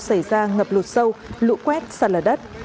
xảy ra ngập lụt sâu lũ quét sạt lở đất